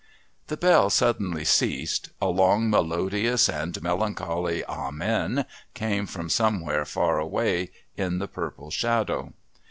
The bell suddenly ceased, a long melodious and melancholy "Amen" came from somewhere far away in the purple shadow.